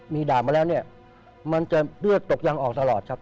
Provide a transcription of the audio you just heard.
มีด่ามาแล้วเนี่ยมันจะเลือดตกยังออกตลอดครับ